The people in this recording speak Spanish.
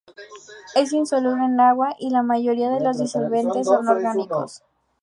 Es insoluble en agua y en la mayoría de los disolventes orgánicos.